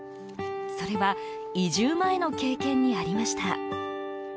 それは移住前の経験にありました。